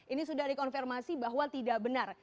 ini sudah dikonfirmasi bahwa tidak benar